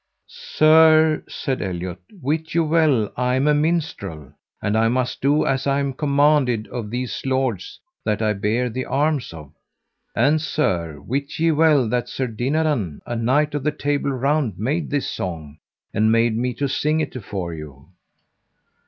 Sir, said Eliot, wit you well I am a minstrel, and I must do as I am commanded of these lords that I bear the arms of. And sir, wit ye well that Sir Dinadan, a knight of the Table Round, made this song, and made me to sing it afore you.